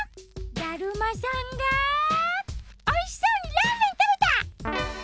だるまさんがおいしそうにラーメンたべた！